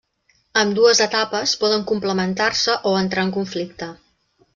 Ambdues etapes poden complementar-se o entrar en conflicte.